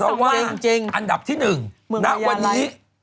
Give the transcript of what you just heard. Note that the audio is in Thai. เราตอบอันดับที่๑นะวันนี้